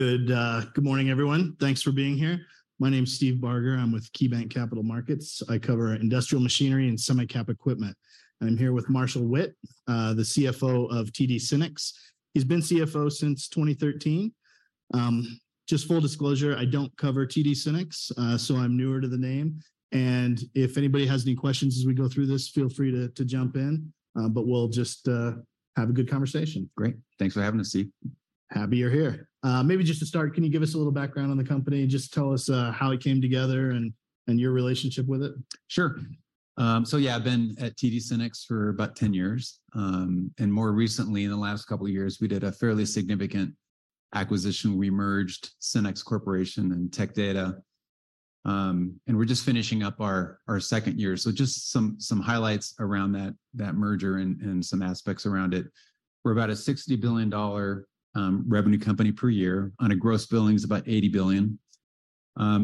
Good, good morning, everyone. Thanks for being here. My name's Steve Barger. I'm with KeyBanc Capital Markets. I cover industrial machinery and semi-cap equipment. I'm here with Marshall Witt, the CFO of TD SYNNEX. He's been CFO since 2013. Just full disclosure, I don't cover TD SYNNEX, so I'm newer to the name, and if anybody has any questions as we go through this, feel free to, to jump in, but we'll just have a good conversation. Great. Thanks for having us, Steve. Happy you're here. Maybe just to start, can you give us a little background on the company and just tell us, how it came together and, and your relationship with it? Sure. I've been at TD SYNNEX for about 10 years. More recently, in the last twoyears, we did a fairly significant acquisition. We merged SYNNEX Corporation and Tech Data, and we're just finishing up our second year. Just some highlights around that merger and some aspects around it. We're about a $60 billion revenue company per year, on a gross billings about $80 billion.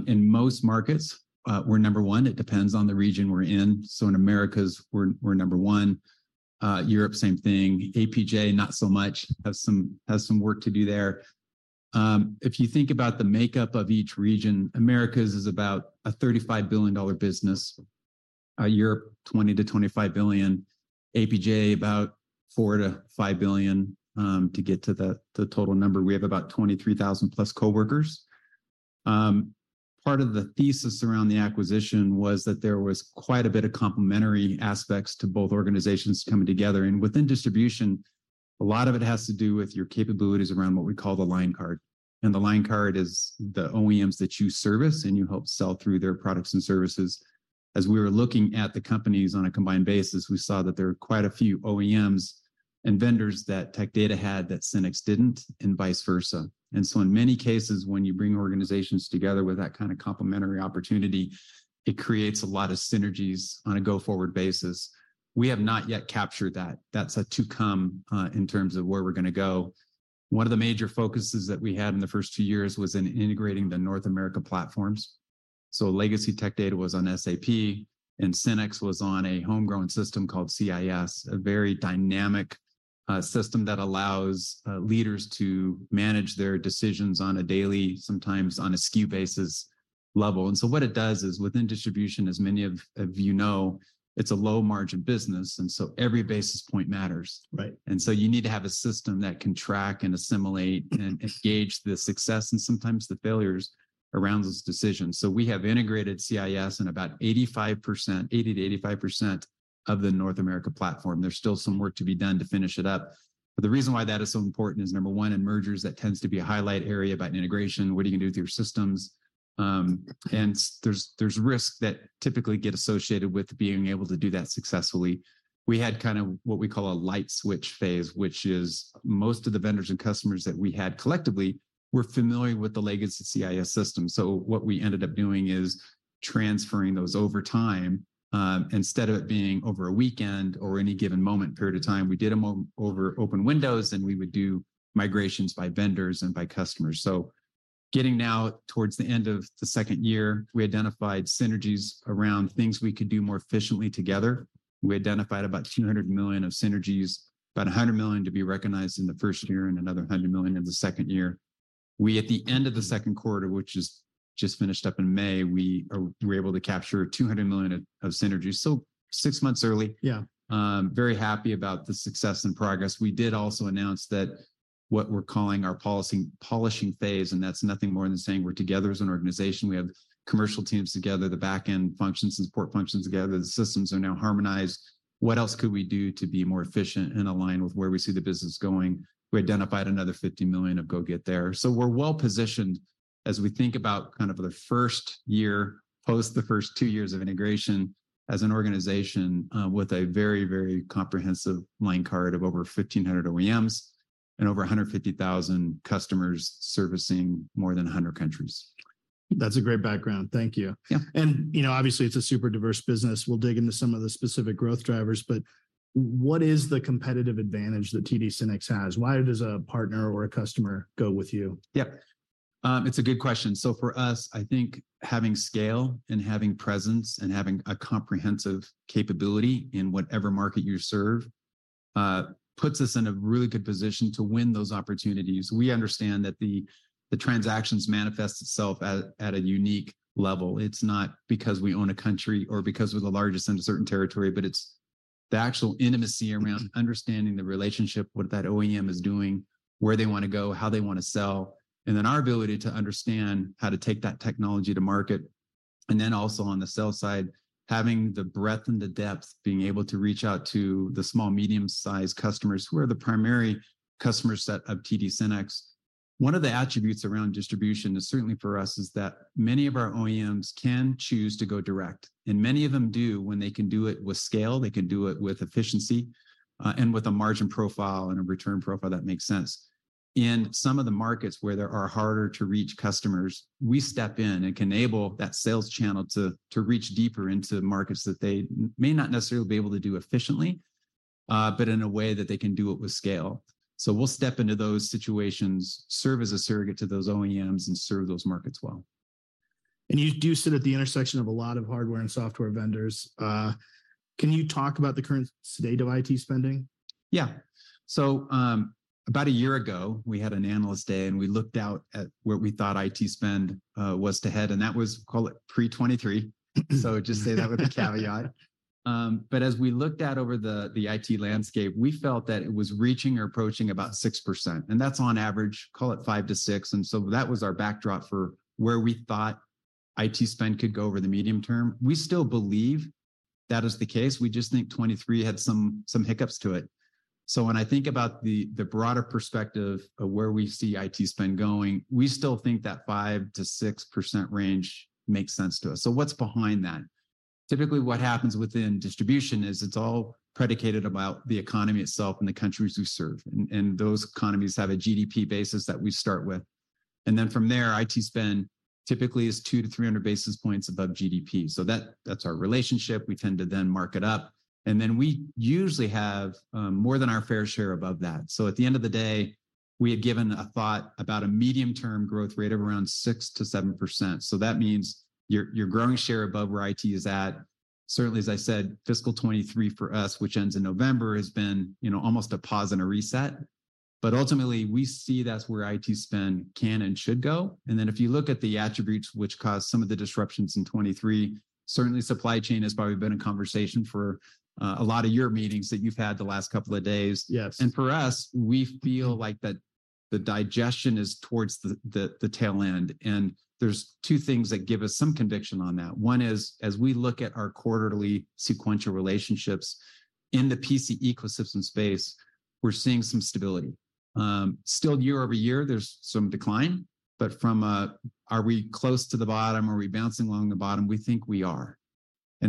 In most markets, we're number 1. It depends on the region we're in. In Americas, we're number 1, Europe, same thing. APJ, not so much, has some work to do there. If you think about the makeup of each region, Americas is about a $35 billion business, Europe, $20 billion-$25 billion, APJ, about $4 billion-$5 billion, to get to the total number. We have about 23,000 plus coworkers. Part of the thesis around the acquisition was that there was quite a bit of complementary aspects to both organizations coming together, and within distribution, a lot of it has to do with your capabilities around what we call the line card, and the line card is the OEMs that you service, and you help sell through their products and services. As we were looking at the companies on a combined basis, we saw that there were quite a few OEMs and vendors that Tech Data had that SYNNEX didn't, and vice versa. In many cases, when you bring organizations together with that kind of complementary opportunity, it creates a lot of synergies on a go-forward basis. We have not yet captured that. That's to come in terms of where we're gonna go. One of the major focuses that we had in the first two years was in integrating the North America platforms. Legacy Tech Data was on SAP, and SYNNEX was on a homegrown system called CIS, a very dynamic system that allows leaders to manage their decisions on a daily, sometimes on a SKU basis, level. What it does is, within distribution, as many of you know, it's a low-margin business, and so every basis point matters. Right. You need to have a system that can track and assimilate and gauge the success, and sometimes the failures, around those decisions. We have integrated CIS in about 85%, 80%-85% of the North America platform. There's still some work to be done to finish it up. The reason why that is so important is, number 1, in mergers, that tends to be a highlight area about integration. What are you gonna do with your systems? There's, there's risks that typically get associated with being able to do that successfully. We had kind of what we call a light switch phase, which is most of the vendors and customers that we had collectively were familiar with the legacy CIS system. What we ended up doing is transferring those over time, instead of it being over a weekend or any given moment, period of time. We did them over open windows, and we would do migrations by vendors and by customers. Getting now towards the end of the second year, we identified synergies around things we could do more efficiently together. We identified about $200 million of synergies, about $100 million to be recognized in the first year and another $100 million in the second year. We, at the end of the second quarter, which is just finished up in May, we were able to capture $200 million of synergies. Six months early. Yeah. Very happy about the success and progress. We did also announce that, what we're calling our polishing phase, and that's nothing more than saying we're together as an organization. We have commercial teams together, the back-end functions and support functions together. The systems are now harmonized. What else could we do to be more efficient and align with where we see the business going? We identified another $50 million of go get there. We're well positioned as we think about kind of the first year, post the first two years of integration as an organization, with a very, very comprehensive line card of over 1,500 OEMs and over 150,000 customers servicing more than 100 countries. That's a great background. Thank you. Yeah. you know, obviously, it's a super diverse business. We'll dig into some of the specific growth drivers, but what is the competitive advantage that TD SYNNEX has? Why does a partner or a customer go with you? Yep. It's a good question. For us, I think having scale and having presence and having a comprehensive capability in whatever market you serve, puts us in a really good position to win those opportunities. We understand that the, the transactions manifest itself at, at a unique level. It's not because we own a country or because we're the largest in a certain territory, but it's the actual intimacy around understanding the relationship, what that OEM is doing, where they wanna go, how they wanna sell, and then our ability to understand how to take that technology to market. Also on the sales side, having the breadth and the depth, being able to reach out to the small, medium-sized customers who are the primary customer set of TD SYNNEX. One of the attributes around distribution is, certainly for us, is that many of our OEMs can choose to go direct, and many of them do when they can do it with scale, they can do it with efficiency, and with a margin profile and a return profile that makes sense. In some of the markets where there are harder-to-reach customers, we step in and can enable that sales channel to, to reach deeper into markets that they may not necessarily be able to do efficiently, but in a way that they can do it with scale. We'll step into those situations, serve as a surrogate to those OEMs, and serve those markets well. You do sit at the intersection of a lot of hardware and software vendors. Can you talk about the current state of IT spending? Yeah. About a year ago, we had an analyst day, we looked out at where we thought IT spend was to head, and that was, call it, pre 2023. Just say that with a caveat. As we looked out over the, the IT landscape, we felt that it was reaching or approaching about 6%, and that's on average, call it 5-6, that was our backdrop for where we thought IT spend could go over the medium term. We still believe that is the case, we just think 2023 had some, some hiccups to it. When I think about the, the broader perspective of where we see IT spend going, we still think that 5%-6% range makes sense to us. What's behind that? Typically, what happens within distribution is it's all predicated about the economy itself and the countries we serve, and those economies have a GDP basis that we start with, and then from there, IT spend typically is 200-300 basis points above GDP. That's our relationship. We tend to then mark it up, and then we usually have more than our fair share above that. At the end of the day, we had given a thought about a medium-term growth rate of around 6%-7%. That means you're, you're growing share above where IT is at. Certainly, as I said, fiscal 2023 for us, which ends in November, has been, you know, almost a pause and a reset, but ultimately, we see that's where IT spend can and should go. Then if you look at the attributes which caused some of the disruptions in 2023, certainly supply chain has probably been a conversation for a lot of your meetings that you've had the last couple of days. Yes. For us, we feel like that the digestion is towards the tail end, and there's two things that give us some conviction on that. One is, as we look at our quarterly sequential relationships, in the PC ecosystem space, we're seeing some stability. Still year-over-year, there's some decline, but from a, "Are we close to the bottom? Are we bouncing along the bottom?" We think we are.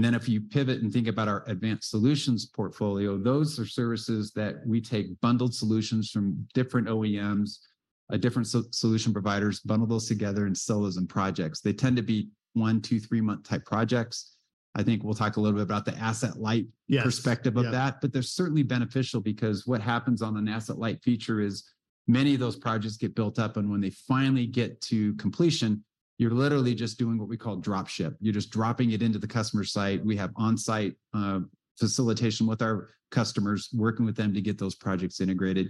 If you pivot and think about our Advanced Solutions portfolio, those are services that we take bundled solutions from different OEMs, different solution providers, bundle those together and sell those in projects. They tend to be one, two three-month type projects. I think we'll talk a little bit about the asset light. Yes... perspective of that. Yeah. They're certainly beneficial because what happens on an asset light feature is many of those projects get built up, and when they finally get to completion, you're literally just doing what we call drop ship. You're just dropping it into the customer site. We have on-site facilitation with our customers, working with them to get those projects integrated.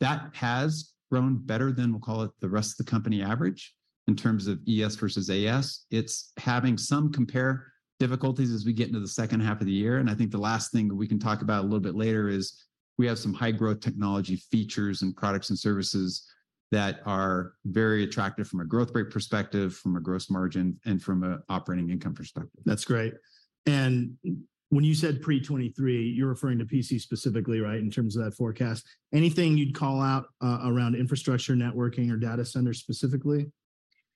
That has grown better than, we'll call it, the rest of the company average in terms of ES versus AS. It's having some compare difficulties as we get into the second half of the year, I think the last thing that we can talk about a little bit later is we have some high-growth technology features and products and services that are very attractive from a growth rate perspective, from a gross margin, and from an operating income perspective. That's great. When you said pre-2023, you're referring to PC specifically, right? In terms of that forecast. Anything you'd call out around infrastructure, networking, or data center specifically?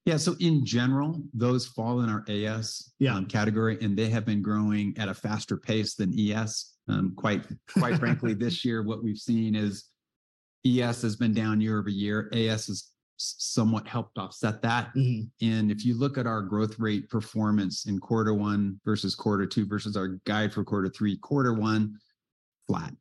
Yeah, in general, those fall in our AS- Yeah... category, and they have been growing at a faster pace than ES. quite frankly, this year, what we've seen is AS has been down year-over-year. AS has somewhat helped offset that. Mm-hmm. If you look at our growth rate performance in quarter one versus quarter two versus our guide for quarter three, quarter one, flat.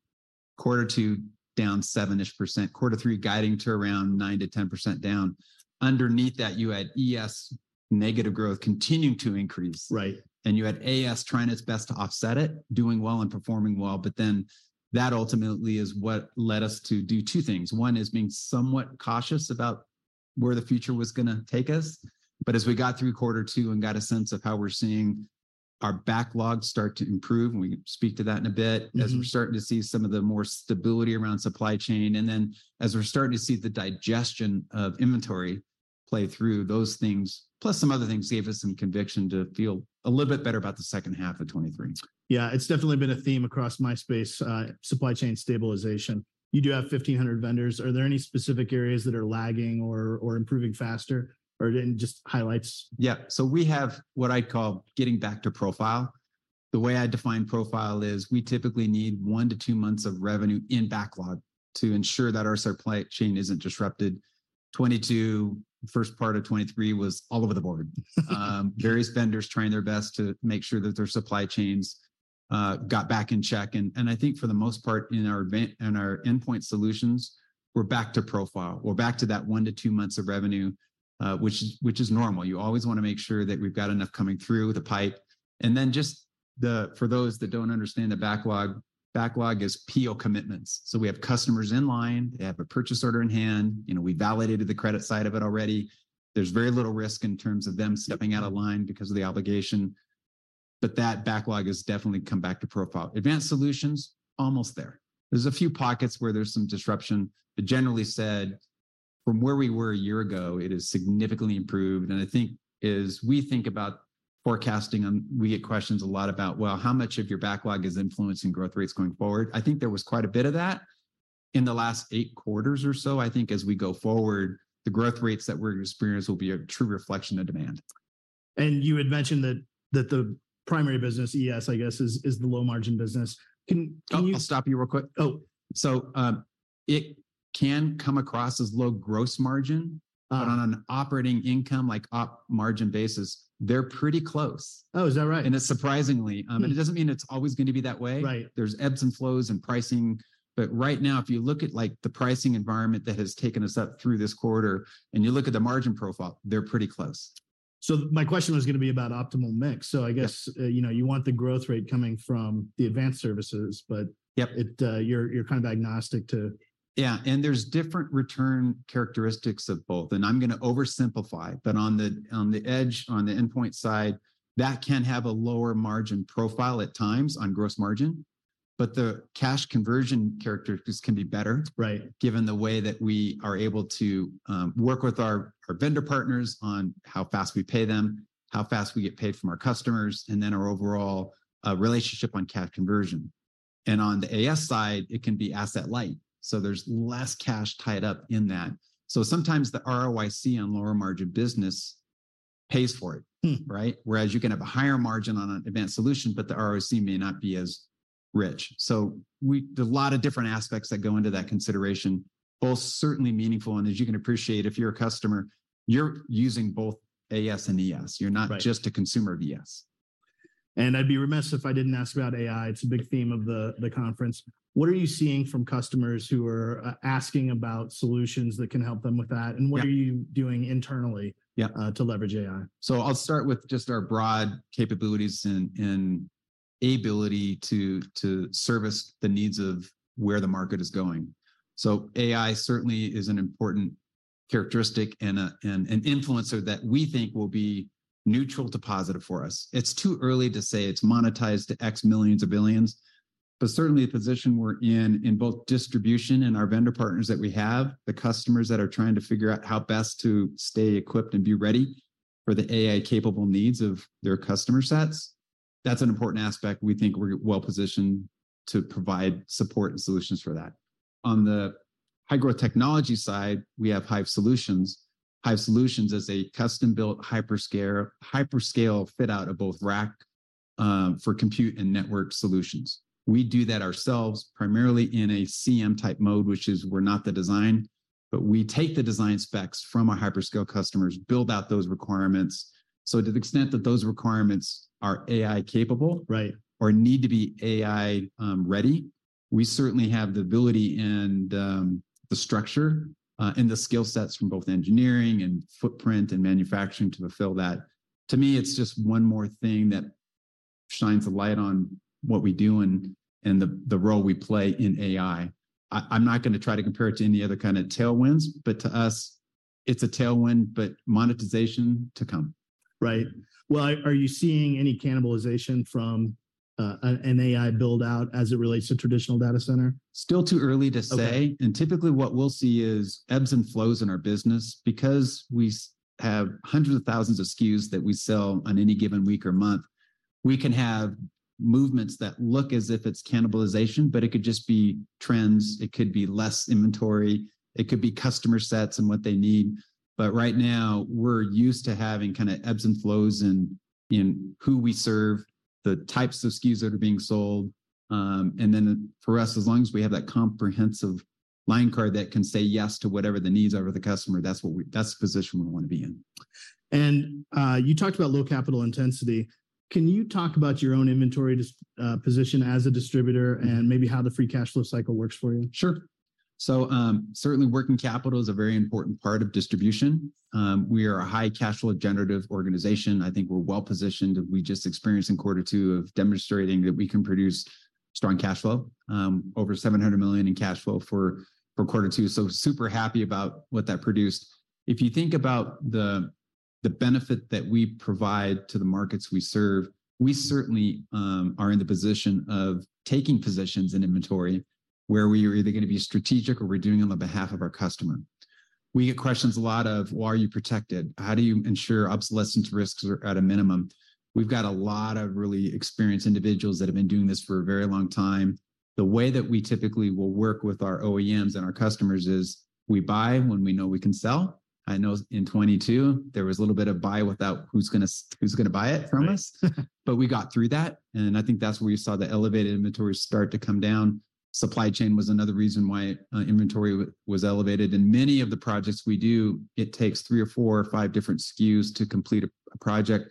Quarter two, down 7-ish%. Quarter three, guiding to around 9%-10% down. Underneath that, you had ES negative growth continuing to increase... Right You had AS trying its best to offset it, doing well and performing well, but then that ultimately is what led us to do two things. One is being somewhat cautious about where the future was gonna take us, but as we got through quarter two and got a sense of how we're seeing our backlog start to improve, and we can speak to that in a bit. Mm-hmm... as we're starting to see some of the more stability around supply chain, and then as we're starting to see the digestion of inventory play through, those things, plus some other things, gave us some conviction to feel a little bit better about the second half of 2023. Yeah, it's definitely been a theme across my space, supply chain stabilization. You do have 1,500 vendors. Are there any specific areas that are lagging or, or improving faster or any just highlights? Yeah. We have what I'd call getting back to profile. The way I define profile is we typically need 1-2 months of revenue in backlog to ensure that our supply chain isn't disrupted. 2022, first part of 2023 was all over the board. Various vendors trying their best to make sure that their supply chains got back in check, and I think for the most part, in our Endpoint Solutions, we're back to profile. We're back to that 1-2 months of revenue, which is normal. You always wanna make sure that we've got enough coming through the pipe, and then just for those that don't understand the backlog, backlog is PO commitments. We have customers in line, they have a purchase order in hand, you know, we validated the credit side of it already. There's very little risk in terms of them stepping out of line because of the obligation. That backlog has definitely come back to profile. Advanced Solutions, almost there. There's a few pockets where there's some disruption. Generally said, from where we were a year ago, it has significantly improved. I think as we think about forecasting and we get questions a lot about, "Well, how much of your backlog is influencing growth rates going forward?" I think there was quite a bit of that in the last eight quarters or so. I think as we go forward, the growth rates that we're gonna experience will be a true reflection of demand. You had mentioned that, that the primary business, ES, I guess, is the low-margin business. Can you Oh, let me stop you real quick. Oh! It can come across as low gross margin. Uh On an operating income, like op margin basis, they're pretty close. Oh, is that right? It's surprisingly. Mm-hmm. It doesn't mean it's always gonna be that way. Right. There's ebbs and flows in pricing, but right now, if you look at, like, the pricing environment that has taken us up through this quarter, and you look at the margin profile, they're pretty close. My question was gonna be about optimal mix. Yep you know, you want the growth rate coming from the advanced services. Yep... it, you're, you're kind of agnostic to. Yeah, there's different return characteristics of both, and I'm gonna oversimplify, but on the, on the edge, on the endpoint side, that can have a lower margin profile at times on gross margin, but the cash conversion characteristics can be better... Right... given the way that we are able to, work with our, our vendor partners on how fast we pay them, how fast we get paid from our customers, and then our overall, relationship on cash conversion. On the AS side, it can be asset light, so there's less cash tied up in that. Sometimes the ROIC on lower margin business pays for it- Hmm... right? Whereas you can have a higher margin on an Advanced Solutions, but the ROC may not be as rich. We, there's a lot of different aspects that go into that consideration, both certainly meaningful, and as you can appreciate, if you're a customer, you're using both AS and ES. Right. You're not just a consumer of ES. I'd be remiss if I didn't ask about AI. It's a big theme of the, the conference. What are you seeing from customers who are asking about solutions that can help them with that? Yep. What are you doing internally? Yeah... to leverage AI? I'll start with just our broad capabilities and ability to service the needs of where the market is going. AI certainly is an important characteristic and an influencer that we think will be neutral to positive for us. It's too early to say it's monetized to X millions of billions, but certainly the position we're in, in both distribution and our vendor partners that we have, the customers that are trying to figure out how best to stay equipped and be ready for the AI-capable needs of their customer sets, that's an important aspect. We think we're well-positioned to provide support and solutions for that. On the high-growth technology side, we have Hyve Solutions. Hyve Solutions is a custom-built hyperscale, hyperscale fit-out of both rack for compute and network solutions. We do that ourselves, primarily in a CM-type mode, which is we're not the design, but we take the design specs from our hyperscale customers, build out those requirements. To the extent that those requirements are AI-capable- Right... or need to be AI ready, we certainly have the ability and the structure and the skill sets from both engineering and footprint and manufacturing to fulfill that. To me, it's just one more thing that shines a light on what we do and, and the, the role we play in AI. I'm not gonna try to compare it to any other kind of tailwinds, but to us, it's a tailwind, but monetization to come. Right. Well, are, are you seeing any cannibalization from, an AI build-out as it relates to traditional data center? Still too early to say. Okay. Typically, what we'll see is ebbs and flows in our business. Because we have hundreds of thousands of SKUs that we sell on any given week or month, we can have movements that look as if it's cannibalization, but it could just be trends, it could be less inventory, it could be customer sets and what they need. Right now, we're used to having kinda ebbs and flows in, in who we serve, the types of SKUs that are being sold, and then for us, as long as we have that comprehensive line card that can say yes to whatever the needs are of the customer, that's what we... That's the position we wanna be in. You talked about low capital intensity. Can you talk about your own inventory position as a distributor and maybe how the free cash flow cycle works for you? Sure. Certainly working capital is a very important part of distribution. We are a high cash flow generative organization. I think we're well-positioned, and we just experienced in quarter two of demonstrating that we can produce strong cash flow, over $700 million in cash flow for quarter two. Super happy about what that produced. If you think about the benefit that we provide to the markets we serve, we certainly are in the position of taking positions in inventory where we are either gonna be strategic or we're doing it on the behalf of our customer. We get questions a lot of: "Why are you protected? How do you ensure obsolescence risks are at a minimum?" We've got a lot of really experienced individuals that have been doing this for a very long time. The way that we typically will work with our OEMs and our customers is, we buy when we know we can sell. I know in 2022, there was a little bit of buy without who's gonna who's gonna buy it from us? Right. We got through that, and I think that's where you saw the elevated inventories start to come down. Supply chain was another reason why inventory was elevated. In many of the projects we do, it takes three or four or five different SKUs to complete a project.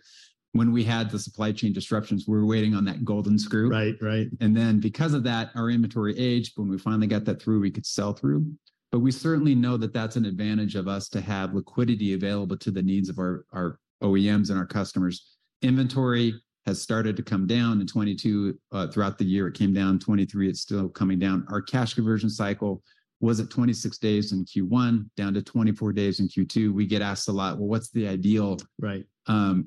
When we had the supply chain disruptions, we were waiting on that golden screw. Right. Right. Because of that, our inventory aged. When we finally got that through, we could sell through. We certainly know that that's an advantage of us to have liquidity available to the needs of our, our OEMs and our customers. Inventory has started to come down in 2022. Throughout the year, it came down. 2023, it's still coming down. Our cash conversion cycle was at 26 days in Q1, down to 24 days in Q2. We get asked a lot: "Well, what's the ideal- Right...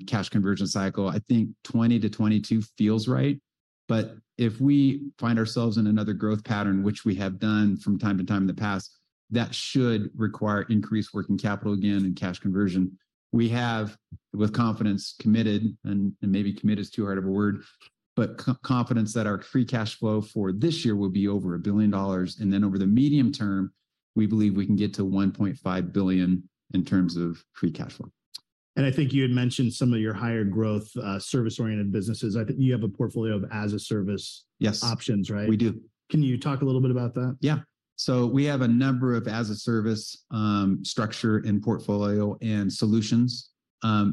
cash conversion cycle?" I think 20-22 feels right, but if we find ourselves in another growth pattern, which we have done from time to time in the past, that should require increased working capital again and cash conversion. We have, with confidence, committed, and, and maybe "committed" is too hard of a word, but confidence that our free cash flow for this year will be over $1 billion, and then over the medium term, we believe we can get to $1.5 billion in terms of free cash flow. I think you had mentioned some of your higher growth, service-oriented businesses. I think you have a portfolio of as-a-service- Yes... options, right? We do. Can you talk a little bit about that? Yeah. We have a number of as-a-service structure in portfolio and solutions.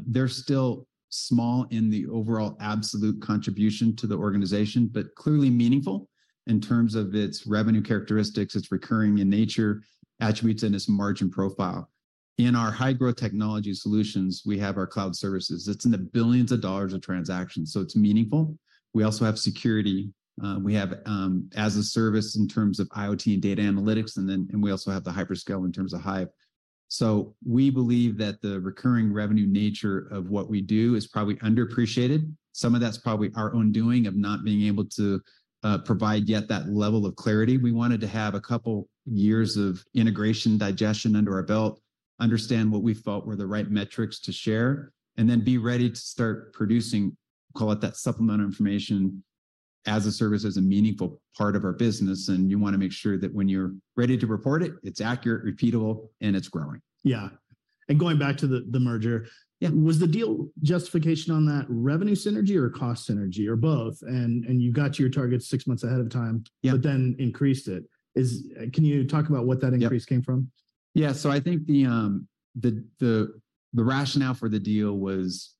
They're small in the overall absolute contribution to the organization, but clearly meaningful in terms of its revenue characteristics, it's recurring in nature, attributes in its margin profile. In our high-growth technology solutions, we have our cloud services. It's in the billions of dollars of transactions, so it's meaningful. We also have security. We have as a service in terms of IoT and data analytics, and we also have the hyperscale in terms of Hyve. We believe that the recurring revenue nature of what we do is probably underappreciated. Some of that's probably our own doing of not being able to provide yet that level of clarity. We wanted to have a couple years of integration, digestion under our belt, understand what we felt were the right metrics to share, and then be ready to start producing, call it that supplemental information as a service, as a meaningful part of our business. You wanna make sure that when you're ready to report it, it's accurate, repeatable, and it's growing. Yeah. going back to the, the merger- Yeah. Was the deal justification on that revenue synergy or cost synergy, or both? You got to your target six months ahead of time. Yeah... but then increased it. Is, can you talk about what that increase- Yep came from? Yeah, I think the rationale for the deal was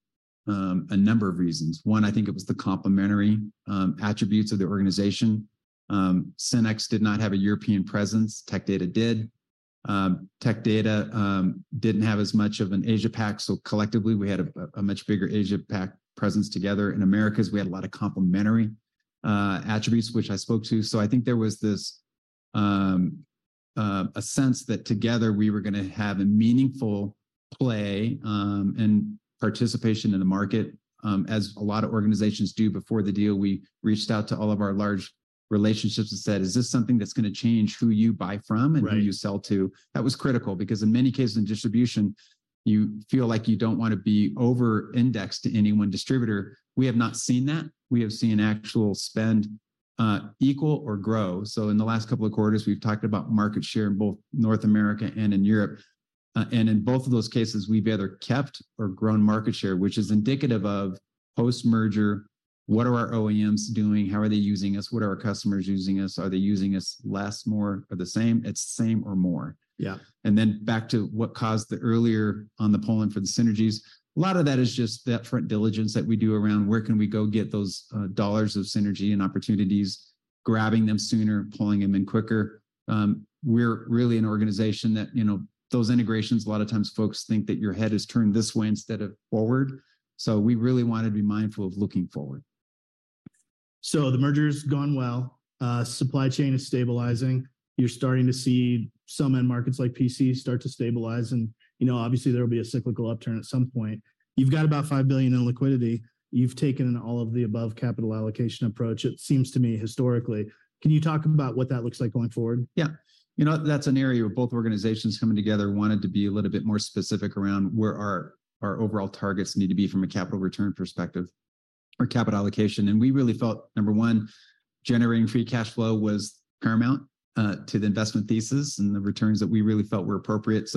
a number of reasons. One, I think it was the complementary attributes of the organization. SYNNEX did not have a European presence, Tech Data did. Tech Data didn't have as much of an Asia PAC, so collectively we had a much bigger Asia PAC presence together. In Americas, we had a lot of complementary attributes, which I spoke to. I think there was this sense that together we were gonna have a meaningful play and participation in the market. As a lot of organizations do, before the deal, we reached out to all of our large relationships and said: "Is this something that's gonna change who you buy from? Right... and who you sell to?" That was critical, because in many cases in distribution, you feel like you don't wanna be over-indexed to any one distributor. We have not seen that. We have seen actual spend, equal or grow. In the last couple of quarters, we've talked about market share in both North America and in Europe. And in both of those cases, we've either kept or grown market share, which is indicative of post-merger, what are our OEMs doing? How are they using us? What are our customers using us? Are they using us less, more, or the same? It's same or more. Yeah. Back to what caused the earlier on the pulling for the synergies, a lot of that is just that front diligence that we do around where can we go get those dollars of synergy and opportunities, grabbing them sooner, pulling them in quicker. We're really an organization that, you know, those integrations, a lot of times folks think that your head is turned this way instead of forward. We really wanna be mindful of looking forward. The merger's gone well. Supply chain is stabilizing. You're starting to see some end markets, like PCs, start to stabilize and, you know, obviously there will be a cyclical upturn at some point. You've got about $5 billion in liquidity. You've taken an all-of-the-above capital allocation approach, it seems to me, historically. Can you talk about what that looks like going forward? Yeah. You know, that's an area where both organizations coming together wanted to be a little bit more specific around where our, our overall targets need to be from a capital return perspective, or capital allocation. We really felt, number 1, generating free cash flow was paramount to the investment thesis and the returns that we really felt were appropriate.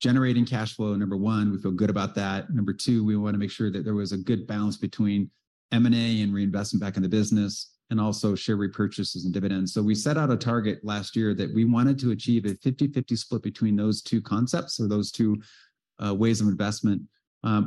Generating cash flow, number 1, we feel good about that. Number 2, we wanna make sure that there was a good balance between M&A and reinvestment back in the business, and also share repurchases and dividends. We set out a target last year that we wanted to achieve a 50/50 split between those two concepts, or those two ways of investment,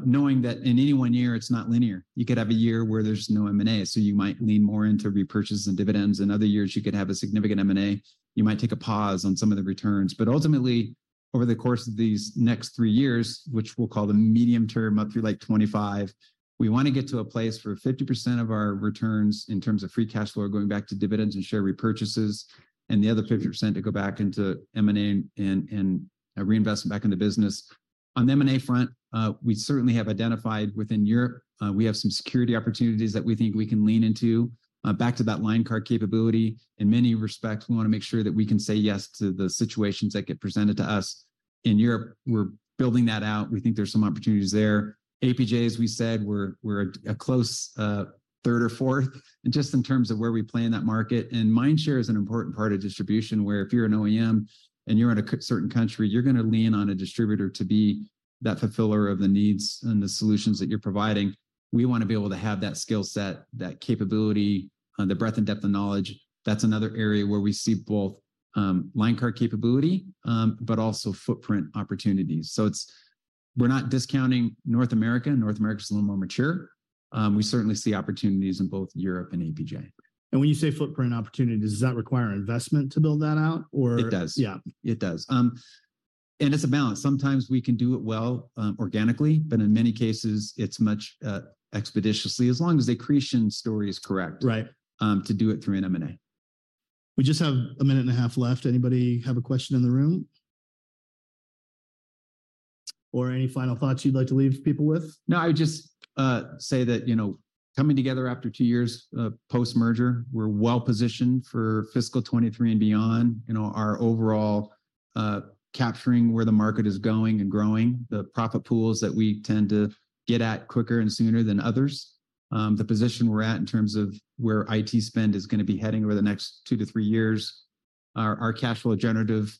knowing that in any one year, it's not linear. You could have a year where there's no M&A, so you might lean more into repurchases and dividends. In other years, you could have a significant M&A. You might take a pause on some of the returns. Ultimately, over the course of these next three years, which we'll call the medium term, up through, like, 2025, we wanna get to a place where 50% of our returns, in terms of free cash flow, are going back to dividends and share repurchases, and the other 50% to go back into M&A and, and reinvestment back in the business. On the M&A front, we certainly have identified within Europe, we have some security opportunities that we think we can lean into. Back to that line card capability, in many respects, we wanna make sure that we can say yes to the situations that get presented to us. In Europe, we're building that out. We think there's some opportunities there. APJ, as we said, we're, we're a close, third or fourth, and just in terms of where we play in that market. Mind share is an important part of distribution, where if you're an OEM and you're in a certain country, you're gonna lean on a distributor to be that fulfiller of the needs and the solutions that you're providing. We wanna be able to have that skill set, that capability, the breadth and depth of knowledge. That's another area where we see both, line card capability, but also footprint opportunities. It's, we're not discounting North America. North America is a little more mature. We certainly see opportunities in both Europe and APJ. When you say footprint opportunity, does that require investment to build that out, or-? It does. Yeah. It does. It's a balance. Sometimes we can do it well, organically, but in many cases, it's much, expeditiously, as long as the accretion story is correct- Right... to do it through an M&A. We just have 1.5 minutes left. Anybody have a question in the room? Any final thoughts you'd like to leave people with? No, I would just say that, you know, coming together after two years, post-merger, we're well positioned for fiscal 23 and beyond. You know, our overall capturing where the market is going and growing, the profit pools that we tend to get at quicker and sooner than others, the position we're at in terms of where IT spend is gonna be heading over the next 2-3 years, our, our cash flow generative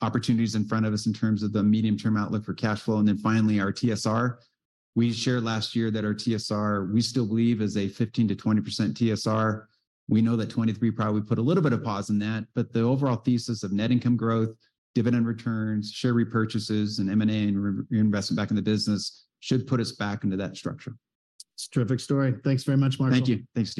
opportunities in front of us in terms of the medium-term outlook for cash flow, and then finally, our TSR. We shared last year that our TSR, we still believe, is a 15%-20% TSR. We know that 23 probably put a little bit of pause in that, but the overall thesis of net income growth, dividend returns, share repurchases, and M&A, and reinvestment back in the business should put us back into that structure. It's a terrific story. Thanks very much, Marshall. Thank you. Thanks, Steve.